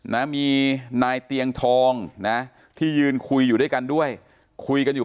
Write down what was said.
นะมีนายเตียงทองนะที่ยืนคุยอยู่ด้วยกันด้วยคุยกันอยู่